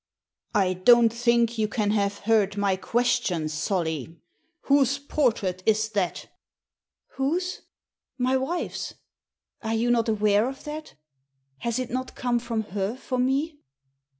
"I don't think you can have heard my question, Solly. Whose portrait is that?" "Whose? My wife's. Are you not aware of that? Has it not come from her for me?